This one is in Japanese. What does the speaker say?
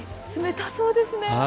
冷たそうですね。